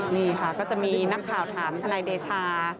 นี่ค่ะก็จะมีนักข่าวถามทนายเดชา